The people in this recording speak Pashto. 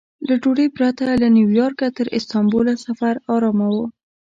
له ډوډۍ پرته له نیویارکه تر استانبوله سفر ارامه و.